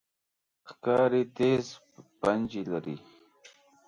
ښکاري تیز پنجې لري.